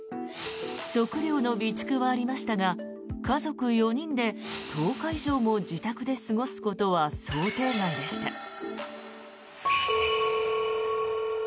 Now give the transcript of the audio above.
食料の備蓄はありましたが家族４人で１０日以上も自宅で過ごすことは想定外でした。